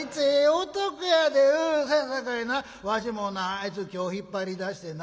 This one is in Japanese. そやさかいなわしもなあいつ今日引っ張り出してな